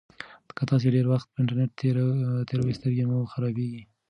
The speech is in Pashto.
که تاسي ډېر وخت په انټرنيټ تېروئ سترګې مو خرابیږي.